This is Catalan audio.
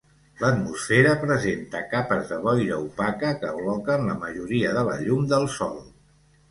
L'atmosfera presenta capes de boira opaca que bloquen la majoria de la llum del sol.